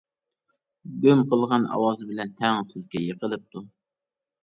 گۇم قىلغان ئاۋاز بىلەن تەڭ تۈلكە يىقىلىپتۇ.